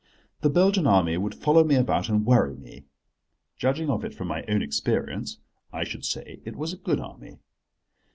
The Belgian Army would follow me about and worry me. Judging of it from my own experience, I should say it was a good army.